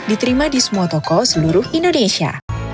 diterima di semua toko seluruh indonesia